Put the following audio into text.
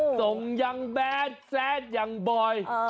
ส่งยังแบดแซดอย่างบ่อย